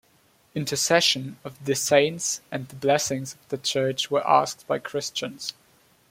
Intercession of the saints and the blessing of the church were asked by Christians.